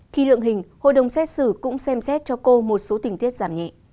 khi lượng hình hội đồng xét xử cũng xem xét cho cô một số tình tiết giảm nhẹ